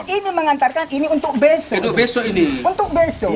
ini mengantarkan untuk besok